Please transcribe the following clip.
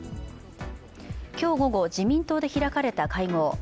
今日午後、自民党で開かれた会合。